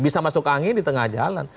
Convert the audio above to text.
bisa masuk angin di tengah jalan